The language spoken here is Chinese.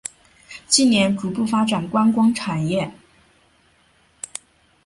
近年逐步发展观光产业。